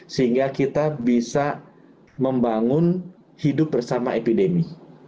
sehingga kita bisa membangun hidup bersama epidemi